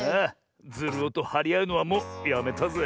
ズルオとはりあうのはもうやめたぜ。